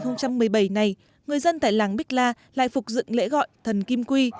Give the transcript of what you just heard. năm hai nghìn một mươi bảy này người dân tại làng bích la lại phục dựng lễ gọi thần kim quy